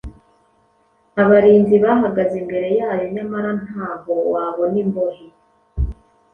abarinzi bahagaze imbere yayo nyamara ntaho wabona imbohe.